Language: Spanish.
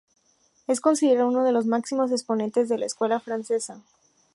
Es considerado uno de los máximos exponentes de la escuela francesa.